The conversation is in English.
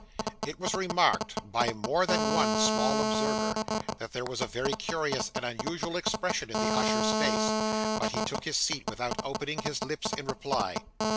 It was remarked by more than one small observer, that there was a very curious and unusual expression in the usher's face; but he took his seat, without opening his lips in reply.